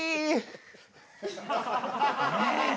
ねえ。